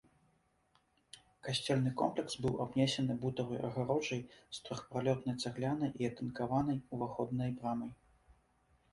Касцёльны комплекс быў абнесены бутавай агароджай з трохпралётнай цаглянай і атынкаванай уваходнай брамай.